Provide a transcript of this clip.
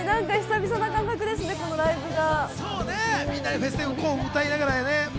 久々な感覚です、ライブが。